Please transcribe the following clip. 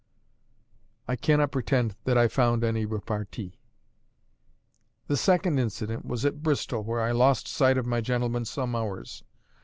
I cannot pretend that I found any repartee. The second incident was at Bristol, where I lost sight of my gentleman some hours.